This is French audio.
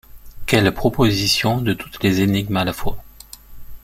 Quelle proposition de toutes les énigmes à la fois!